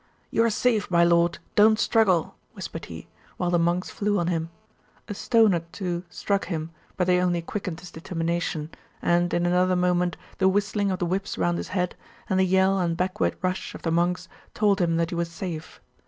'You are safe, my lord; don't struggle,' whispered he, while the monks flew on him. A stone or two struck him, but they only quickened his determination, and in another moment the whistling of the whips round his head, and the yell and backward rush of the monks, told him that he was safe.